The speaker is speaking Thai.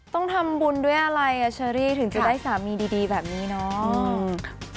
ต้องทำบุญด้วยอะไรอ่ะเชอรี่ถึงจะได้สามีดีแบบนี้เนาะ